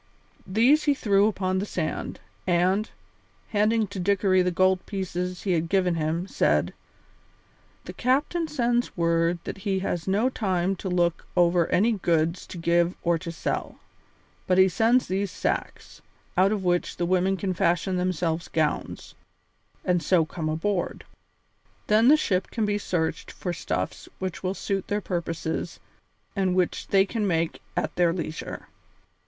These he threw upon the sand and, handing to Dickory the gold pieces he had given him, said: "The captain sends word that he has no time to look over any goods to give or to sell, but he sends these sacks, out of which the women can fashion themselves gowns, and so come aboard. Then the ship shall be searched for stuffs which will suit their purposes and which they can make at their leisure."